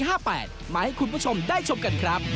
มาให้คุณผู้ชมได้ชมกันครับ